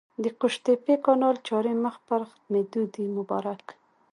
د قوشتېپې کانال چارې مخ پر ختمېدو دي! مبارک